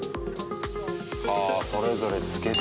はぁそれぞれつけて。